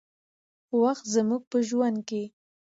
وخت زموږ په ژوند کې